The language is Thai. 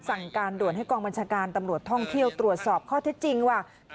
สั่งการด่วนให้กองบัญชาการตำรวจท่องเที่ยวตรวจสอบข้อเท็จจริงว่า